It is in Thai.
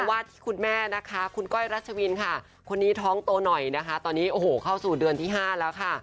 วาดที่คุณแม่นะคะคุณก้อยรัชวินค่ะคนนี้ท้องโตหน่อยนะคะตอนนี้โอ้โหเข้าสู่เดือนที่๕แล้วค่ะ